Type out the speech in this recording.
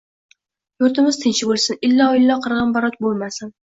Yurtimiz tinch bo‘lsin, illo-billo qirg‘inbarot bo‘lmasin.